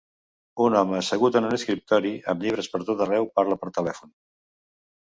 Un home assegut en un escriptori amb llibres per tot arreu parla per telèfon.